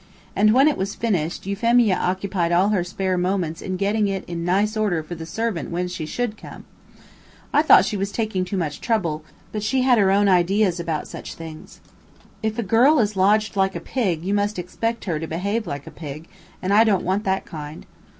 and, when it was finished, Euphemia occupied all her spare moments in getting it in nice order for the servant when she should come. I thought she was taking too much trouble, but she had her own ideas about such things. "If a girl is lodged like a pig, you must expect her to behave like a pig, and I don't want that kind."